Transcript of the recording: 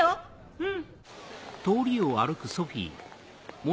うん。